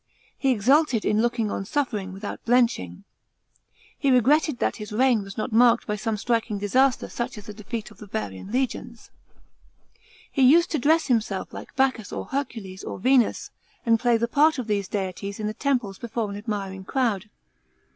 He exulted in looking on suffering without blenching. He regretted that his reign was not marked by some striking disaster such as the defeat of the Varian legions. He used to dress himself like Bacchus or Hercules or Venus, and play the part of these deities in the temples before an admiring crowd.